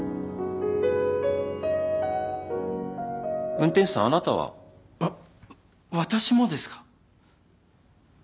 運転手さんあなたは？わ私もですか？